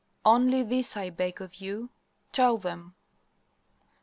"Only this I beg of you tell them!